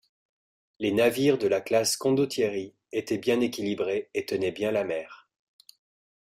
Les navires de la classe Condottieri étaient bien équilibrés et tenaient bien la mer.